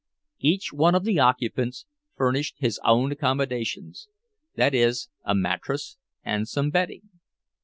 Each one of the occupants furnished his own accommodations—that is, a mattress and some bedding.